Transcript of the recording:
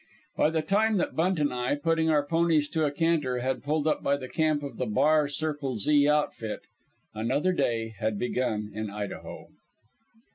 By the time that Bunt and I, putting our ponies to a canter, had pulled up by the camp of the Bar circle Z outfit, another day had begun in Idaho.